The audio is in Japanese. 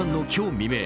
未明